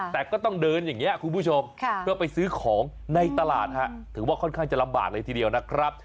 แต่ก็ต้องเดินอย่างนี้คุณผู้ชมเพื่อไปซื้อของในตลาดถือว่าค่อนข้างจะลำบากเลยทีเดียวนะครับ